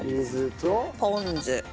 ポン酢。